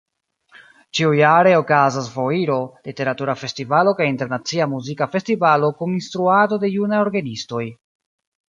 Ĉiujare okazas foiro, literatura festivalo kaj internacia muzika festivalo kun instruado de junaj orgenistoj.